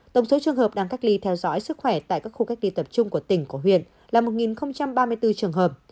tổng số trường hợp đang cách ly theo dõi sức khỏe tại các khu cách ly tập trung của tỉnh của huyện là một ba mươi bốn trường hợp